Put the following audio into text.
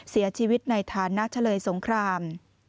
เสียชีวิตในฐานะเฉลยสงคราม